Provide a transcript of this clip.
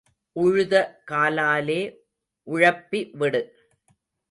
உழுத காலாலே உழப்பி விடு.